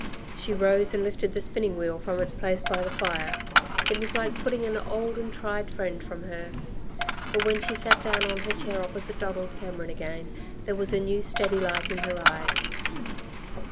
She rose and lifted the spinning wheel from its place by the fire. It was like putting an old and tried friend from her. But when she sat down on her chair opposite Donald Cameron again there was a new steady light in her eyes.